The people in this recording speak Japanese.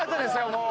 もう。